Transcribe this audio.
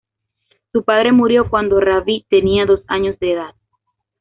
Su padre murió cuando Ravi tenía dos años de edad.